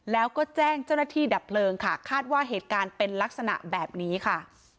แล้วก็แจ้งเจ้าหน้าที่ดับเพลิงค่ะคาดว่าเหตุการณ์เป็นลักษณะแบบนี้ค่ะ